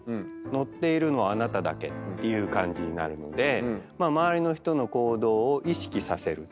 乗っているのはあなただけっていう感じになるので周りの人の行動を意識させる。